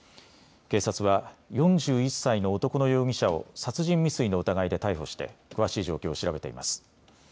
警察は４１歳の男の容疑者を殺人未遂の疑いで逮捕して詳しい状況を調べています。